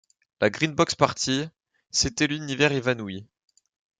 La Green-Box partie, c’était l’univers évanoui.